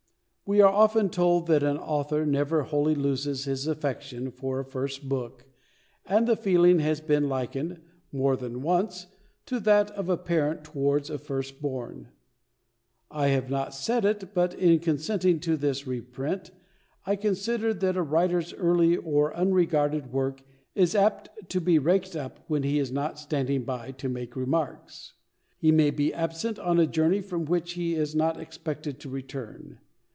We are often told that an author never wholly loses his affection for a first book, and the feeling has been likened (more than once) to that of a parent towards a first born. I have not said it, but in consenting to this reprint I considered that a writer's early or unregarded work is apt to be raked up when he is not standing by to make remarks. He may be absent on a journey from which he is not expected to return.